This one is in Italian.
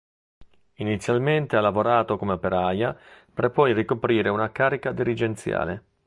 Inizialmente ha lavorato come operaia per poi ricoprire una carica dirigenziale.